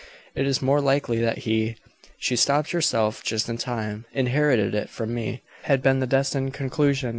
"It is more likely that he " She stopped herself just in time. "Inherited it from me," had been the destined conclusion.